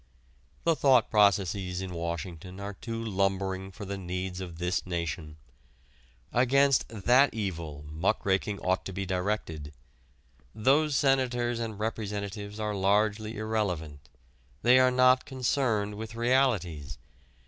The thought processes in Washington are too lumbering for the needs of this nation. Against that evil muckraking ought to be directed. Those senators and representatives are largely irrelevant; they are not concerned with realities.